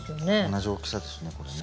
同じ大きさですねこれね。